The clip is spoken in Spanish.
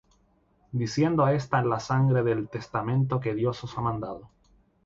Diciendo: Esta es la sangre del testamento que Dios os ha mandado.